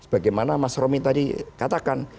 bagaimana mas romi tadi katakan